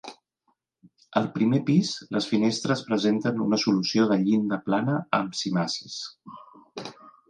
Al primer pis les finestres presenten una solució de llinda plana amb cimacis.